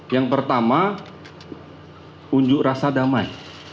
yang pertama unjuk rasa damai